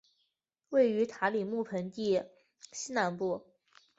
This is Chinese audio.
位于塔里木盆地西南部。